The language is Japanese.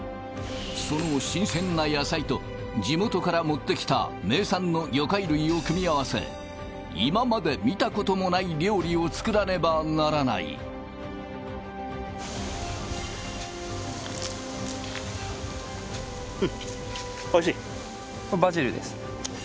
その新鮮な野菜と地元から持ってきた名産の魚介類を組み合わせ今まで見たこともない料理を作らねばならないうんおいしいバジルです